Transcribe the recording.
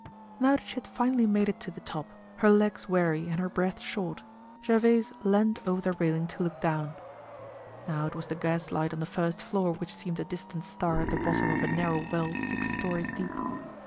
Now that she had finally made it to the top, her legs weary and her breath short, Gervaise leaned over the railing to look down. Now it was the gaslight on the first floor which seemed a distant star at the bottom of a narrow well six stories deep.